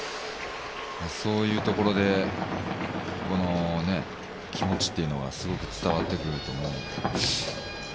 そういうところで、気持ちというのがすごく伝わってくると思います。